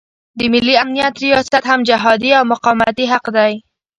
د ملي امنیت ریاست هم جهادي او مقاومتي حق دی.